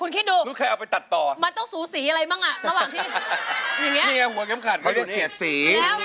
เขาต้องเสียดสี